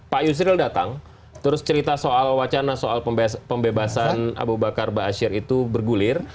pak yusril datang terus cerita soal wacana soal pembebasan abu bakar basyir itu bergulir